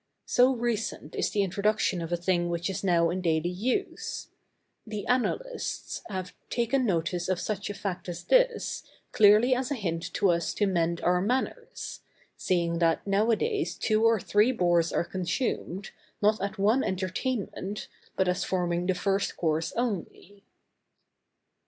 So recent is the introduction of a thing which is now in daily use. The Annalists have taken notice of such a fact as this, clearly as a hint to us to mend our manners; seeing that now a days two or three boars are consumed, not at one entertainment, but as forming the first course only.